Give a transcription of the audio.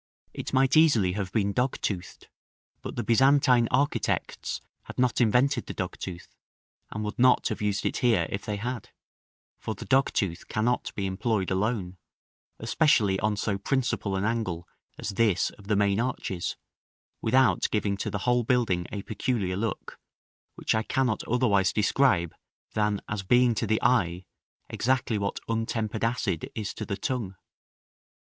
It might easily have been dogtoothed, but the Byzantine architects had not invented the dogtooth, and would not have used it here, if they had; for the dogtooth cannot be employed alone, especially on so principal an angle as this of the main arches, without giving to the whole building a peculiar look, which I can not otherwise describe than as being to the eye, exactly what untempered acid is to the tongue.